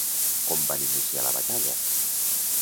Com van iniciar la batalla?